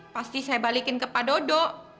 pasti saya balikin ke pak dodo